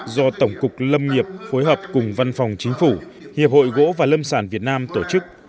do tổng cục lâm nghiệp phối hợp cùng văn phòng chính phủ hiệp hội gỗ và lâm sản việt nam tổ chức